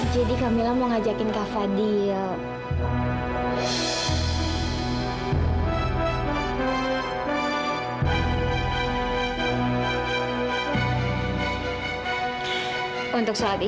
jadi kamila mau ngajakin kak fadil